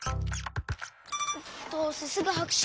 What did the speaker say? どうせすぐはくし。